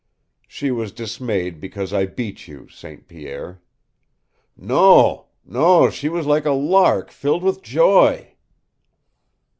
"She was dismayed because I beat you, St. Pierre." "Non, non she was like a lark filled with joy."